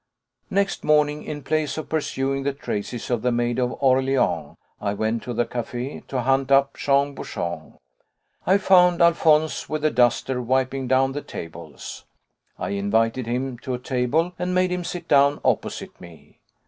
Next morning, in place of pursuing the traces of the Maid of Orléans, I went to the café to hunt up Jean Bouchon. I found Alphonse with a duster wiping down the tables. I invited him to a table and made him sit down opposite me.